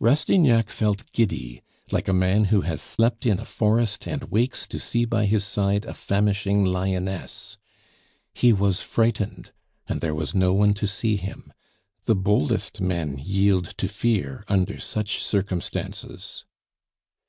Rastignac felt giddy, like a man who has slept in a forest and wakes to see by his side a famishing lioness. He was frightened, and there was no one to see him; the boldest men yield to fear under such circumstances.